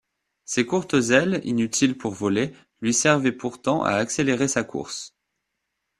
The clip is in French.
Ses courtes ailes, inutiles pour voler, lui servaient pourtant à accélérer sa course.